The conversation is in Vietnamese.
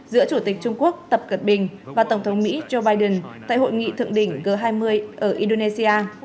giữa chủ tịch trung quốc tập cận bình và tổng thống mỹ joe biden tại hội nghị thượng đỉnh g hai mươi ở indonesia